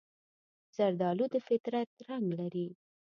زردالو د فطرت رنګ لري.